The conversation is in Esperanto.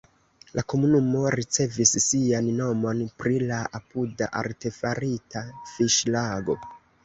La komunumo ricevis sian nomon pri la apuda artefarita fiŝlago.